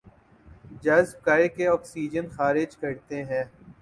جذب کرکے آکسیجن خارج کرتے ہیں